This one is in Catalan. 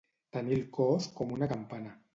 Tenir el cos com una campana.